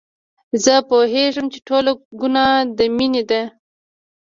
زه پوهېږم چې ټوله ګناه د مينې ده.